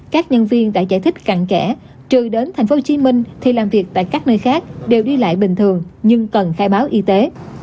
các nhân viên đã giải thích cạn kẻ trừ đến tp hcm thì làm việc tại các nơi khác đều đi lại bình thường nhưng cần khai báo y tế